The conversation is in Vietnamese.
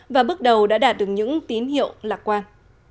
và bước đầu đã đạt được những tín hiệu lạc quan